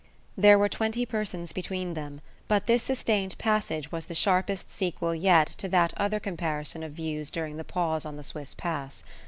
There were twenty persons between them, but this sustained passage was the sharpest sequel yet to that other comparison of views during the pause on the Swiss pass.